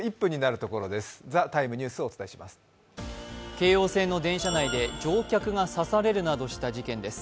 京王線の電車内で乗客が刺されるなどした事件です。